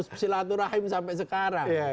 bersilaturahim sampai sekarang